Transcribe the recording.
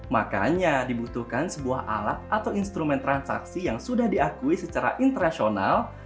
makanya dibutuhkan sebuah alat atau instrumen transaksi yang sudah diakui secara internasional